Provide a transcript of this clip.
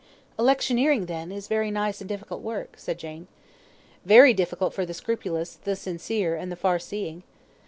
"Electioneering, then, is very nice and difficult work," said Jane. "Very difficult for the scrupulous, the sincere, and the far seeing."